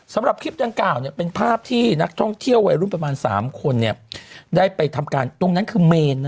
สำหรับคลิปดังกล่าวเป็นภาพที่นักท่องเที่ยววัยรุ่นประมาณ๓คนได้ไปทำการตรงนั้นคือเมน